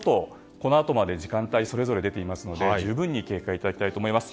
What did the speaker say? このあと時間帯それぞれ出ていますので十分に警戒いただきたいと思います。